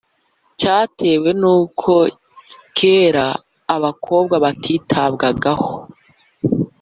cyatewe n’uko kera abakobwa batitabwagaho